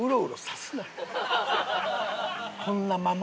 こんなまま。